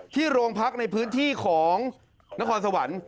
ที่โรงพักในพื้นที่ของนครสวรรค์